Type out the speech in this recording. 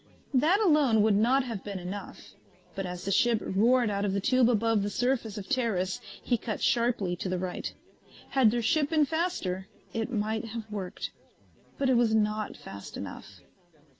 That alone would not have been enough, but as the ship roared out of the tube above the surface of Teris he cut sharply to the right. Had their ship been faster it might have worked. But it was not fast enough.